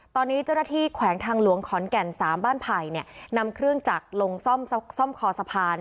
ตอนนี้เจ้าหน้าที่แขวงทางหลวงขอนแก่น๓บ้านไผ่นำเครื่องจักรลงซ่อมคอสะพาน